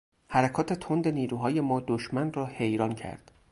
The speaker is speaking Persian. حرکات تند نیروهای ما دشمن را حیران کرد.